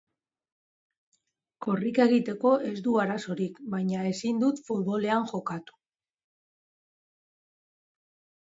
Korrika egiteko ez du arazorik, baina ezin du futbolean jokatu.